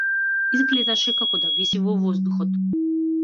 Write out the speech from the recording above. Изгледаше како да виси во воздухот.